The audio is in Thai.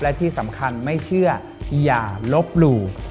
และที่สำคัญไม่เชื่ออย่าลบหลู่